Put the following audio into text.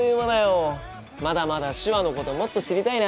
まだまだ手話のこともっと知りたいな。